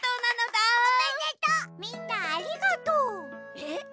えっ？